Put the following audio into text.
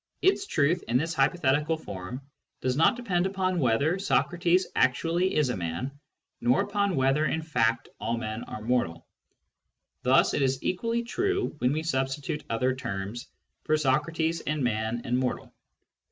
Its truth, in this hypothetical form, does not depend upon whether Socrates actually is a man, nor upon whether in fact aU men are mortal ; thus it is equally true when we substitute other terms for Socrates and man and mortal.